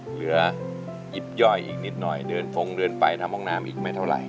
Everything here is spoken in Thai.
หยิบย่อยอีกนิดหน่อยเดินฟงเดินไปทำห้องน้ำอีกไม่เท่าไหร่